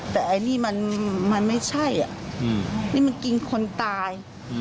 แต่ไอ้นี่มันไม่ใช่นี่มันกินคนตาย